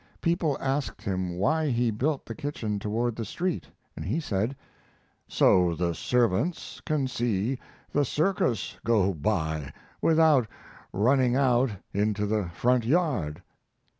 People asked him why he built the kitchen toward the street, and he said: "So the servants can see the circus go by without running out into the front yard."